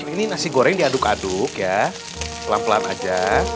ini nasi goreng diaduk aduk ya pelan pelan aja